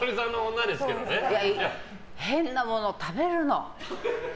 変なもの食べるの。